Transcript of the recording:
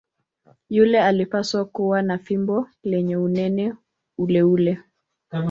Yule alipaswa kuwa na fimbo lenye unene uleule.